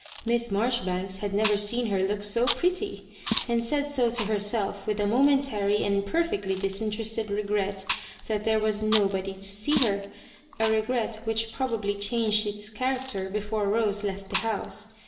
Miss Marjoribanks had never seen her look so pretty, and said so to heij^lf, with a momentary and perfectly disinterested regret that there was *' nobody " to see her — a regret which probably changed its character before Rose left the house.